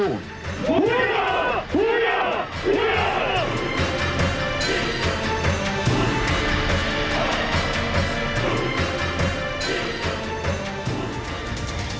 ฮุยาฮุยาฮุยา